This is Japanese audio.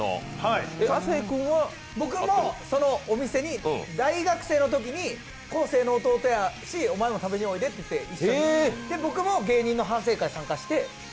僕もそのお店に大学生のときに昴生の弟やし、お前も食べにおいでって言われて僕も芸人の反省会、参加して。